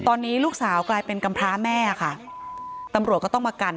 ตอนนี้ลูกสาวกลายเป็นกำพร้าแม่ค่ะตำรวจก็ต้องมากัน